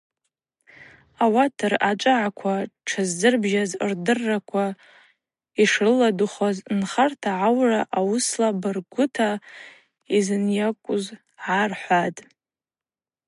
Ауат ръачӏвагӏаква штшырзырбжьаз, рдырраква йшрыладырхӏуз, нхарта гӏаура ауысла баргвырата йзынйаквуз гӏархӏватӏ.